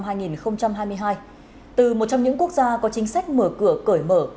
trong năm hai nghìn hai mươi hai từ một trong những quốc gia có chính sách mở cửa cởi mở